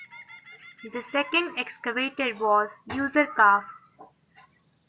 The second excavated was Userkaf's.